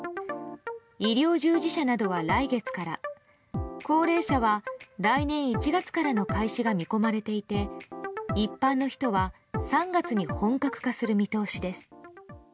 医療従事者などは来月から高齢者は来年１月からの開始が見込まれていて、一般の人は３月に本格化する見通しです。